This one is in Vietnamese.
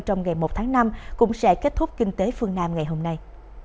trong ngày một tháng năm cũng sẽ kết thúc kinh tế phương nam ngày hôm nay